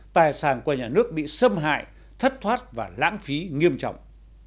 tài sản của nhà nước bị xâm hại thất thoát và lãng phí nghiêm trọng